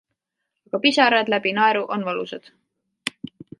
Aga pisarad läbi naeru on valusad.